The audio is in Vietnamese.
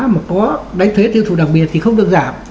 mà có đánh thuế tiêu thụ đặc biệt thì không được giảm